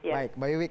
baik mbak iwi